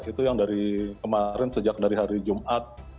itu yang dari kemarin sejak dari hari jumat